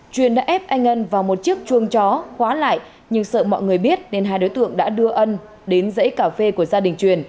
chuyên đã ép anh ân vào một chiếc chuông chó khóa lại nhưng sợ mọi người biết nên hai đối tượng đã đưa ân đến dãy cà phê của gia đình truyền